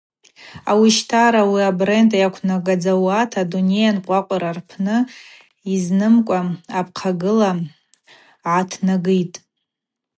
Ауищтара ари абренд йаквнагадзауата адуней анкъвакъвраква рпны йызнымкӏва апхъагылара гӏатнагитӏ.